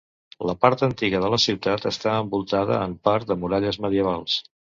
La part antiga de la ciutat està envoltada en part de muralles medievals.